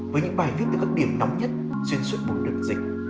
với những bài viết từ các điểm nóng nhất xuyên suốt một đợt dịch